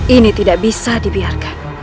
ini tidak bisa dibiarkan